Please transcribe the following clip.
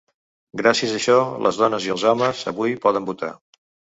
Gràcies a això, les dones i els homes avui poden votar.